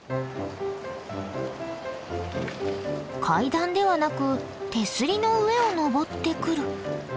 階段ではなく手すりの上を上ってくる。